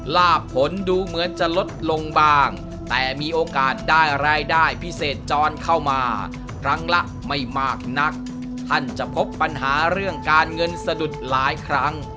ลาบผลดูเหมือนจะลดลงบ้างแต่มีโอกาสได้รายได้พิเศษจรเข้ามาครั้งละไม่มากนักท่านจะพบปัญหาเรื่องการเงินสะดุดหลายครั้ง